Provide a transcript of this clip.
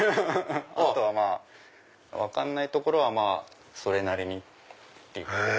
あとは分かんないところはそれなりにっていう。